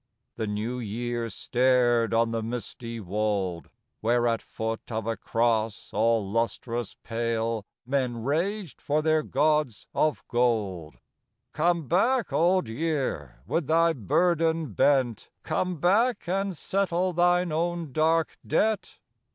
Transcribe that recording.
" The New Year stared on the misty wold, Where at foot of a cross all lustrous pale Men raged for their gods of gold. " Come back, Old Year, with thy burden bent. Come back and settle thine own dark debt."